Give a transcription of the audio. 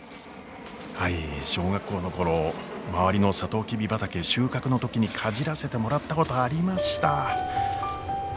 はい小学校の頃周りのサトウキビ畑収穫の時にかじらせてもらったことありました。